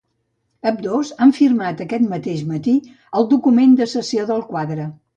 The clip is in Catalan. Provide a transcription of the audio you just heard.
Ambdós, han firmat aquest mateix matí el document de cessió del quadre.